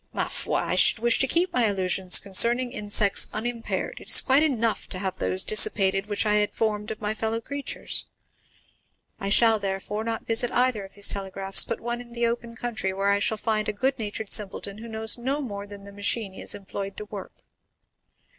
Ma foi! I should wish to keep my illusions concerning insects unimpaired; it is quite enough to have those dissipated which I had formed of my fellow creatures. I shall, therefore, not visit either of these telegraphs, but one in the open country where I shall find a good natured simpleton, who knows no more than the machine he is employed to work."